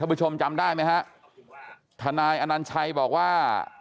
ผู้ชมจำได้ไหมฮะทนายอนัญชัยบอกว่า